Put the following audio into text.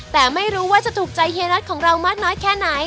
แต่ไม่รู้ว่าจะถูกใจเฮียน็อตของเรามากน้อยแค่ไหน